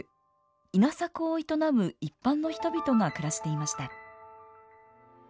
稲作を営む一般の人々が暮らしていました。